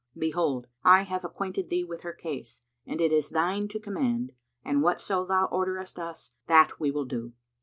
Behold, I have acquainted thee with her case and it is thine to command, and whatso thou orderest us that we will do.